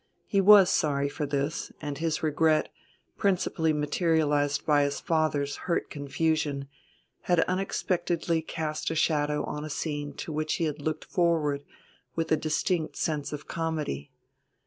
He was sorry for this, and his regret, principally materialized by his father's hurt confusion, had unexpectedly cast a shadow on a scene to which he had looked forward with a distinct sense of comedy.